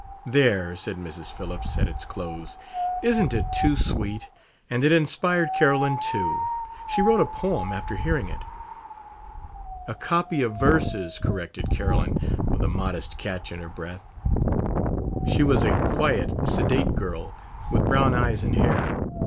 "There!" said Mrs. Phillips, at its close. "Isn't it too sweet? And it inspired Carolyn too. She wrote a poem after hearing it." "A copy of verses," corrected Carolyn, with a modest catch in her breath. She was a quiet, sedate girl, with brown eyes and hair.